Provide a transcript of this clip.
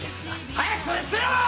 早くそれ捨てろ！